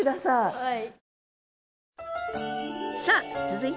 はい。